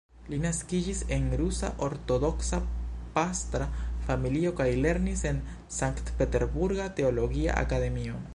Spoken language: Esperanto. Li naskiĝis en rusa ortodoksa pastra familio kaj lernis en la Sankt-peterburga teologia akademio.